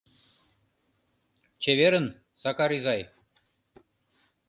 — Чеверын, Сакар изай.